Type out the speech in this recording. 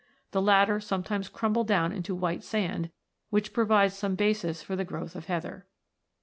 The latter sometimes crumble down into white sand, which provides some basis for the growth of heather.